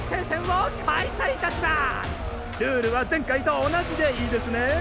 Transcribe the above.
ルールは前回と同じでいいですね